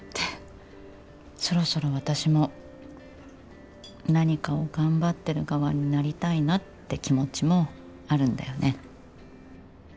そろそろ私も何かを頑張ってる側になりたいなって気持ちもあるんだよね。